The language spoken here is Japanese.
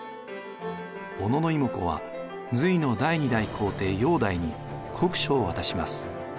小野妹子は隋の第２代皇帝煬帝に国書を渡します。